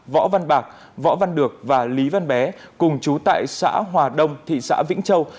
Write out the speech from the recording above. võ văn bạc võ văn được và lý văn bé cùng chú tại xã hòa đông thị xã vĩnh châu